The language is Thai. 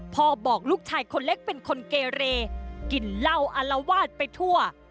บอกลูกชายคนเล็กเป็นคนเกเรกินเหล้าอารวาสไปทั่ว